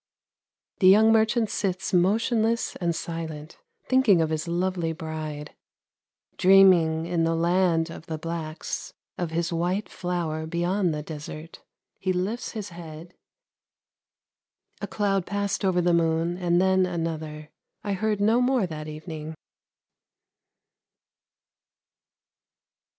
The young merchant sits motionless and silent, thinking of his lovely bride; dreaming in the land of the blacks of his white flower beyond the desert, he lifts his head!" A cloud passed over the moon, and then another; I heard no more that evening.